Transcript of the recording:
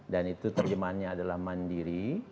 dan itu terjemahannya adalah mandiri